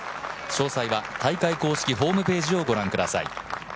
詳細は大会公式ホームページをご覧ください。